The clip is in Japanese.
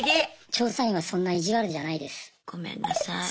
調査員はそんな意地悪じゃないです。